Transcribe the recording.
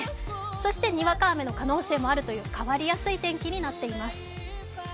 そしてにわか雨の可能性もあるという、変わりやすい天気となっています。